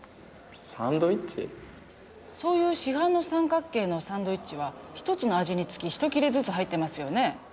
そういう市販の三角形のサンドイッチは１つの味につきひと切れずつ入ってますよね。